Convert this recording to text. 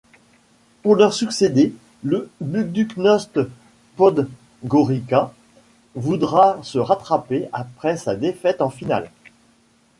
Pour leur succéder, le Budućnost Podgorica voudra se rattraper après sa défaite en finale.